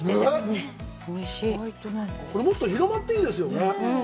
もっと広まっていいですよね。